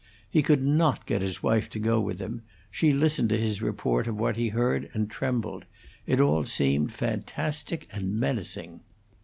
He could not get his wife to go with him; she listened to his report of what he heard, and trembled; it all seemed fantastic and menacing.